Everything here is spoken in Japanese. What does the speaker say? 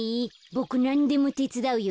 ボクなんでもてつだうよ。